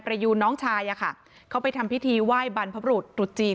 ยูนน้องชายอะค่ะเขาไปทำพิธีไหว้บรรพบรุษตรุษจีน